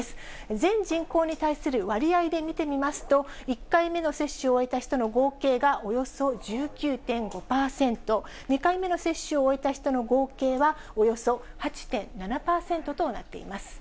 全人口に対する割合で見てみますと、１回目の接種を終えた人の合計がおよそ１９．５％、２回目の接種を終えた人の合計はおよそ８．７％となっています。